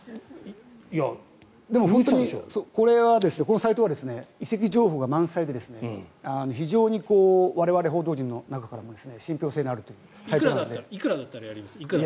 本当にこのサイトは移籍情報が満載で非常に我々、報道陣の中からもいくらだったらやります？